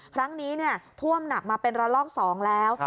ครั้งนี้เนี่ยท่วมหนักมาเป็นระลอกสองแล้ว